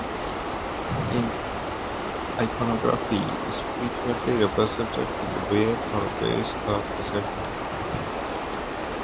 In iconography he is frequently represented with a bear or bear's cub beside him.